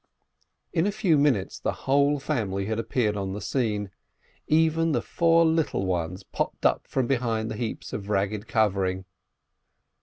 In a few minutes the whole family had appeared on the scene. Even the four little ones popped up from behind the heaps of ragged covering.